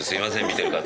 見てる方